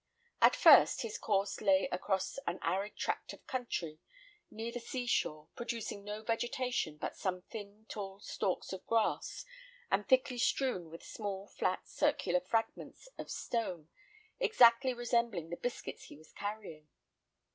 At first his course lay across an arid tract of country, near the sea shore, producing no vegetation but some thin tall stalks of grass, and thickly strewn with small, flat, circular fragments of stone, exactly resembling the biscuits he was carrying.